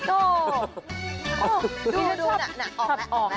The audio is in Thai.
โอ้โฮดูน่ะน่ะออกแล้ว